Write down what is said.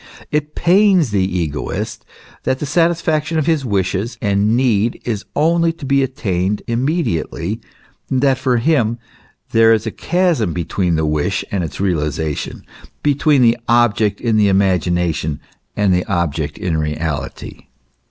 It pains the egoist that the satisfaction of his wishes and need is only to be attained immediately, that for him there is a chasm between the wish and its realization, between the object in the imagination and the object in reality.